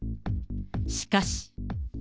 しかし。